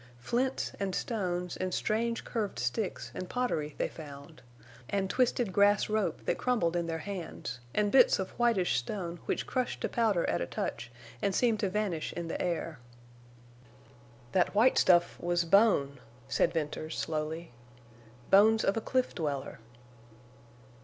Flints and stones and strange curved sticks and pottery they found; and twisted grass rope that crumbled in their hands, and bits of whitish stone which crushed to powder at a touch and seemed to vanish in the air. "That white stuff was bone," said Venters, slowly. "Bones of a cliff dweller."